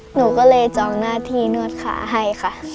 หนูก็เลยจองหน้าที่นวดขาให้ค่ะ